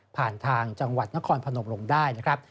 ผ่านทางจังหวัดนครพนมลงได้นะครับ